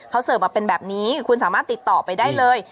เขาเสิร์ฟมาเป็นแบบนี้คุณสามารถติดต่อไปได้เลย